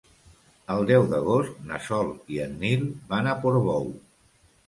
El deu d'agost na Sol i en Nil van a Portbou.